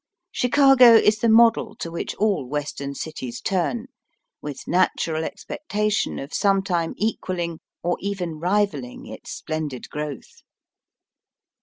Chicago is the model to which all Western cities turn, with natural expectation of some time equalling or even rivalling its splendid growth.